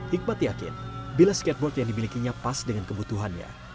hikmat yakin bila skateboard yang dimilikinya pas dengan kebutuhannya